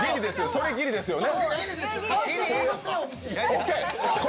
それ、ギリですよね。